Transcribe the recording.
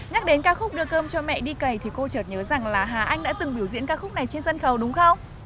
nhắc đến ca khúc đưa cơm cho mẹ đi cầy thì cô trợt nhớ rằng là hà anh đã từng biểu diễn ca khúc này trên sân khấu đúng không